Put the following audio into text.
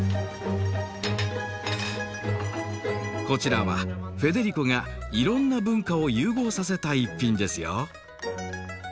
こちらはフェデリコがいろんな文化を融合させた一品ですよ。